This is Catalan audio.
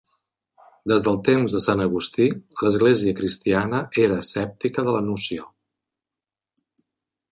Des dels temps de Sant Agustí, l'Església cristiana era escèptica de la noció.